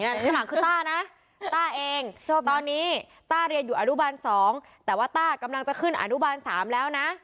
ข้างหลังคือต้านะต้าเองตอนนี้ต้าเรียนอยู่อนุบาล๒แต่ว่าต้ากำลังจะขึ้นอนุบาล๓แล้วนะ